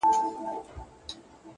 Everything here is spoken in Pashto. وخت د هر فرصت اندازه کوي!